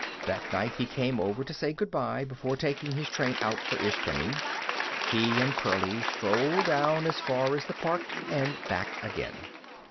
That night he came over to say good bye before taking his train out for Ishpeming. He and Pearlie strolled down as far as the park and back again.